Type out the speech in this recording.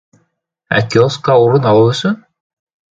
Ә киоскка урын алыу өсөн?